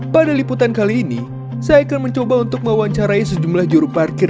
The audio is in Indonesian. pada liputan kali ini saya akan mencoba untuk mewawancarai sejumlah juru parkir